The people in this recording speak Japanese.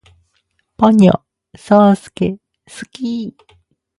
ポニョ，そーすけ，好き